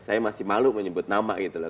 saya masih malu menyebut nama gitu loh